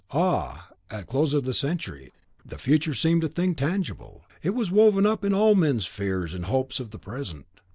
Ah! at the close of the last century, the future seemed a thing tangible, it was woven up in all men's fears and hopes of the present.